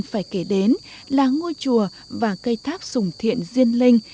phải kể đến là ngôi chùa và cây tháp sùng thiện diên linh